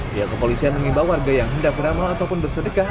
diakupolisi yang mengimbau warga yang hendak beramal ataupun bersedekah